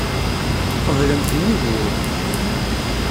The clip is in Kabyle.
Tqeblemt nnig wul.